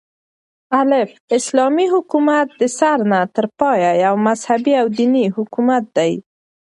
الف : اسلامي حكومت دسره نه تر پايه يو مذهبي او ديني حكومت دى